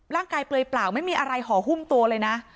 ร่างกายเปลยเปล่าไม่มีอะไรหอหุ้มตัวเลยนะ